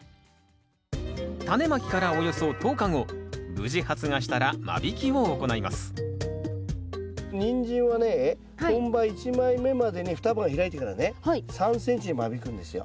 無事発芽したら間引きを行いますニンジンはね本葉１枚目までに双葉が開いてからね３ｃｍに間引くんですよ。